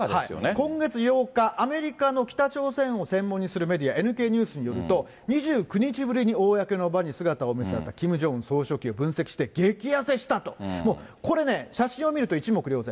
今月８日、アメリカの北朝鮮を専門にするメディア、ＮＫニュースによると、２９日ぶりに公の場に姿を見せたキム・ジョンウン総書記を分析して激痩せしたと、これね、写真を見ると一目瞭然。